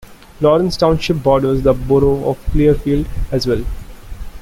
Lawrence Township borders the borough of Clearfield as well.